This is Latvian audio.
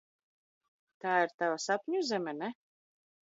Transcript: Tā ir tava sapņu zeme, ne?